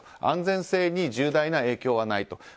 安全性に重大な影響はないと。